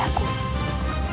aku akan mencari dia